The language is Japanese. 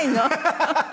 ハハハハ。